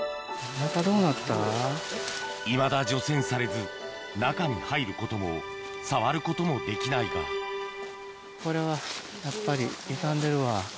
いまだ除染されず中に入ることも触ることもできないがこれはやっぱり傷んでるわ。